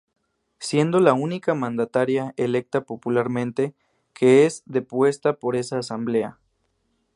Siendo la única mandataria, electa popularmente, que es depuesta por esa Asamblea.